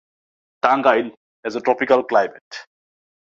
Tangail has a tropical climate.